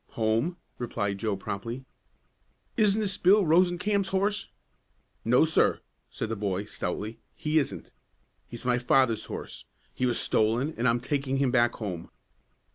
"Home," replied Joe, promptly. "Isn't this Bill Rosencamp's horse?" "No, sir," said the boy, stoutly; "he isn't. He's my father's horse! He was stolen, and I'm takin' him back home."